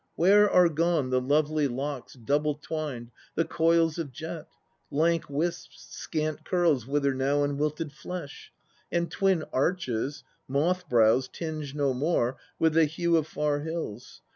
Where are gone the lovely locks, double twined, The coils of jet? Lank wisps, scant curls wither now On wilted flesh; And twin arches, moth brows tinge no more With the hue of far hills.